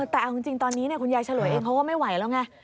แต่เอาจริงตอนนี้คุณยายฉลวยเองเขาก็ไม่ไหวแล้วไง